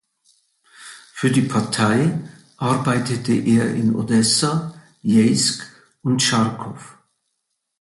Für die Partei arbeitete er in Odessa, Jeisk und Charkow.